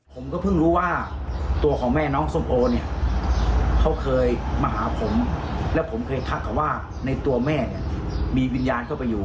ผมก็เพิ่งรู้ว่าตัวของแม่น้องส้มโอเนี่ยเขาเคยมาหาผมและผมเคยทักเขาว่าในตัวแม่เนี่ยมีวิญญาณเข้าไปอยู่